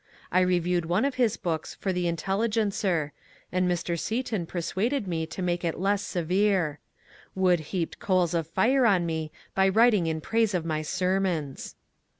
I reviewed one of his books for the ^* Intelligencer,'' and Mr. Seaton persuaded me to make it less severe. Wood heaped coals of fire on me by writing in praise of my sermons.